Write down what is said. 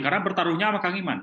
karena bertaruhnya sama kang iman